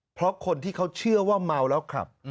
เพราะคนที่เขาเชื่อว่าเมาแล้วขับ